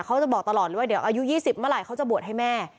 เขาจะบอกตลอดเลยว่าเดี๋ยวอายุ๒๐เมื่อไหร่เขาจะบวชให้แม่